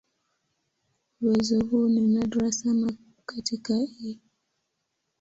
Uwezo huu ni nadra sana katika "E.